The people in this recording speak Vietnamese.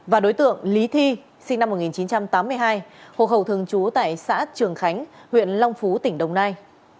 và đối tượng lý thi sinh năm một nghìn chín trăm tám mươi hai hộ khẩu thường trú tại xã trường khánh huyện long phú tỉnh đồng nai